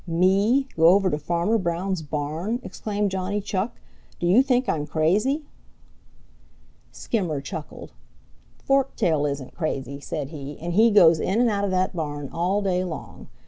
"Me go over to Farmer Brown's barn!" exclaimed Johnny Chuck. "Do you think I'm crazy?" Skimmer chuckled. "Forktail isn't crazy," said he, "and he goes in and out of that barn all day long.